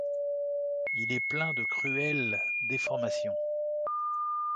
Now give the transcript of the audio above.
Il est plein de cruelles déformations.